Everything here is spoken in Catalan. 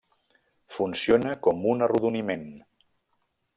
Funciona com un arrodoniment.